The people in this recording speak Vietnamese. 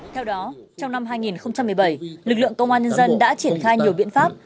theo đó trong năm hai nghìn một mươi bảy lực lượng công an nhân dân đã triển khai nhiều biện pháp